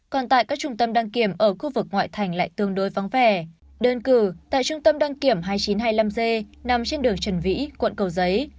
còn tại các trung tâm đăng kiểm ở khu vực ngoại thành lại tương đối vắng vẻ đơn cử tại trung tâm đăng kiểm hai nghìn chín trăm hai mươi năm g nằm trên đường trần vĩ quận cầu giấy